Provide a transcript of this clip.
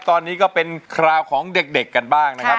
ตอนนี้ก็เป็นคราวของเด็กกันบ้างนะครับ